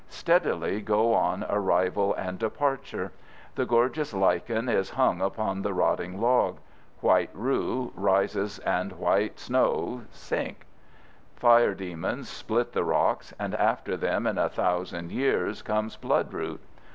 Steadily go on arrival and departure. The gorgeous lichen is hung upon the rotting log. White rue rises and white snows sink. Fire demons split the rocks, and after them in a thousand years comes bloodroot.